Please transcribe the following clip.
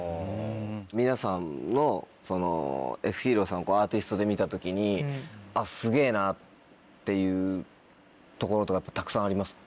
皆さんのＦ．ＨＥＲＯさんをアーティストで見た時にあっすげぇなっていうところとかたくさんあります？